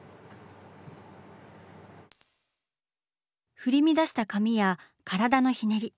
振り乱した髪や体のひねり。